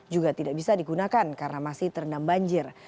juga tidak bisa digunakan karena masih terendam banjir